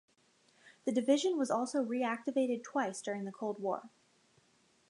The division was also reactivated twice during the Cold War.